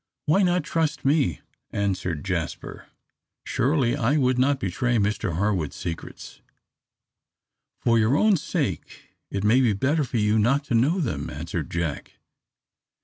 "Why not trust me?" answered Jasper; "surely I would not betray Mr Harwood's secrets!" "For your own sake it may be better for you not to know them," answered Jack.